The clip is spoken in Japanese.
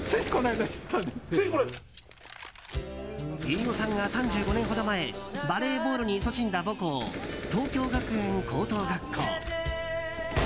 飯尾さんが３５年ほど前バレーボールにいそしんだ母校東京学園高等学校。